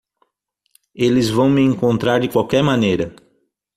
Eles vão me encontrar de qualquer maneira.